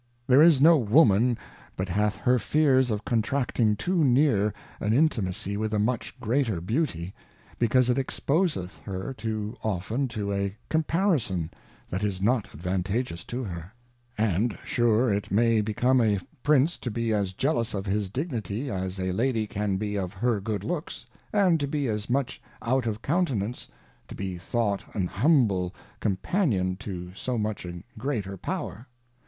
There is no Woman but hath her fears of contracting too near an intimacy with a much greater Beauty, because it exposeth her too often to a Comparison that is not advantageous to her ; and sure it may become a Prince to be as jealous of his Dignity, as a Lady can be of her good looks, and to be as much out of Countenance, to be thought an humble Companion to so much a greater Power.